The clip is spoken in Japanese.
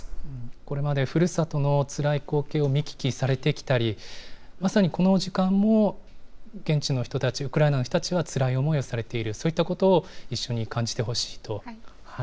これまでふるさとのつらい光景を見聞きされてきたり、まさにこの時間も、現地の人たち、ウクライナの人たちはつらい思いをされている、そういったことを一緒に感じてほしいと。